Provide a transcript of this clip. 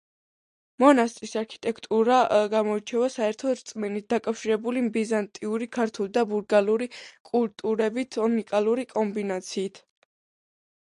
მონასტრის არქიტექტურა გამოირჩევა საერთო რწმენით დაკავშირებული ბიზანტიური, ქართული და ბულგარული კულტურების უნიკალური კომბინაციით.